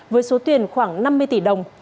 với số tiền khoảng năm mươi tỷ đồng